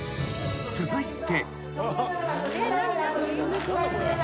［続いて］